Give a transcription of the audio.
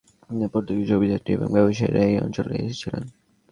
পনেরো শতকের শেষ দিকে পর্তুগিজ অভিযাত্রী এবং ব্যবসায়ীরা এই অঞ্চলে এসেছিলেন।